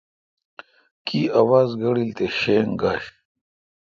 کی آواز گیلڈ تے شینگ گوش۔